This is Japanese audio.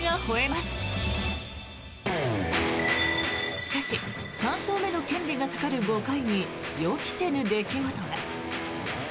しかし、３勝目の権利がかかる５回に予期せぬ出来事が。